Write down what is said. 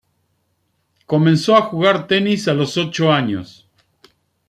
Comenzó a jugar tenis los ocho años.